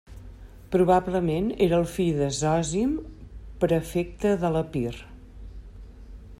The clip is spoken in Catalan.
Probablement era el fill de Zòsim, prefecte de l'Epir.